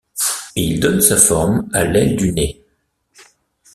Il donne sa forme à l'aile du nez.